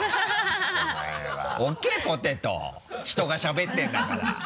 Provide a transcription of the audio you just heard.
置けポテトを人がしゃべってるんだから。